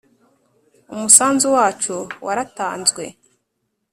umusanzu wacu waratanzwe